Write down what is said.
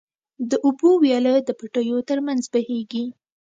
د اوبو وياله د پټيو تر منځ بهيږي.